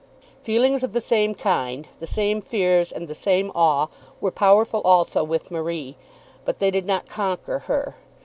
Feelings of the same kind, the same fears, and the same awe were powerful also with Marie; but they did not conquer her.